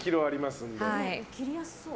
切りやすそう。